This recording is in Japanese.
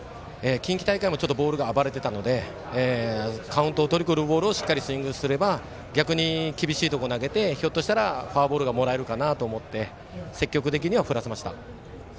近畿大会もボールが暴れていたのでカウントをとるボールをしっかりスイングをすれば逆に厳しいところ投げてひょっとしたらフォアボールがもらえるかなと思って積極的に振らせました。